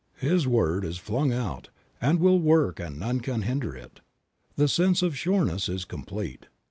His word is flung out and will work and none can hinder it; the sense of sureness is complete.